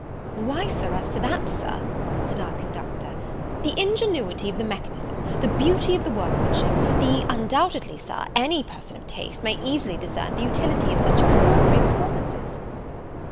"Why, Sir, as to that, Sir," said our conductor, "the ingenuity of the mechanism the beauty of the workmanship the undoubtedly, Sir, any person of taste may easily discern the utility of such extraordinary performances."